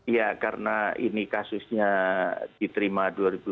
ya karena ini kasusnya diterima dua ribu empat belas